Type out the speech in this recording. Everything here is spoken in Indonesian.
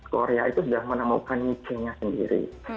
korea itu sudah menemukan nichingnya sendiri